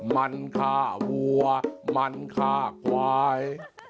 มันฆ่าวัวมันฆ่าควาย